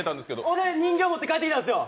俺、人形持って帰ってきたんすよ。